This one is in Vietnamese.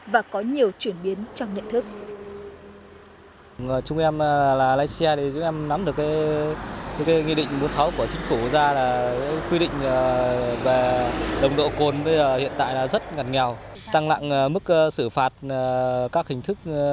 và có nhiều chuyển biến trong nệm thức